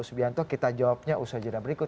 subianto kita jawabnya usha jeda berikut